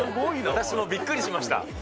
私もびっくりしました。